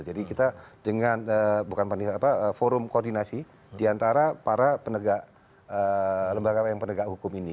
jadi kita dengan bukan panitia apa forum koordinasi diantara para penegak lembaga yang penegak hukum ini